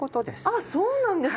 あっそうなんですね！